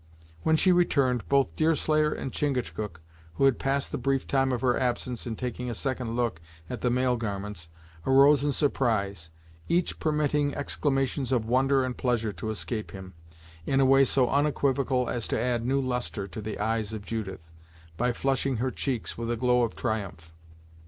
When she returned, both Deerslayer and Chingachgook, who had passed the brief time of her absence in taking a second look at the male garments, arose in surprise, each permitting exclamations of wonder and pleasure to escape him, in a way so unequivocal as to add new lustre to the eyes of Judith, by flushing her cheeks with a glow of triumph.